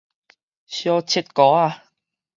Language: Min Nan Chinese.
小七哥仔